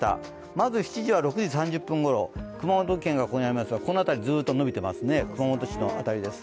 まず６時３０分頃、熊本県がこのあたりにありますがこの辺り、ずっと延びていますね、熊本市の辺りです。